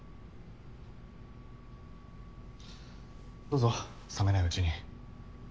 どうぞ冷めないうちに。